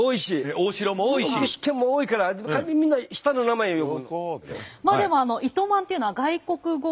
具志堅も多いからみんな下の名前で呼ぶ。